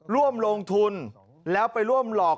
ร่วมลงทุนแล้วไปร่วมหลอก